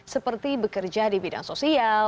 seperti bekerja di bidang sosial